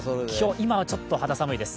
今はちょっと肌寒いです。